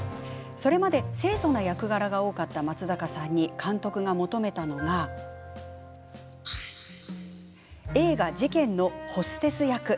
それまで清そな役柄が多かった松坂さんに、監督が求めたのが映画「事件」のホステス役。